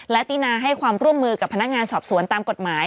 และตินาให้ความร่วมมือกับพนักงานสอบสวนตามกฎหมาย